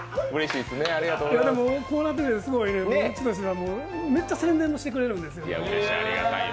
こうなってくれてうちとしてはめっちゃ宣伝もしてくれるんですよ。